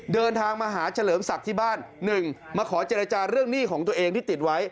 เดินทางมาหาเฉลิมศักดิ์ที่บ้าน๑มาขอเจรจาเรื่องหนี้ของตัวเองที่ติดไว้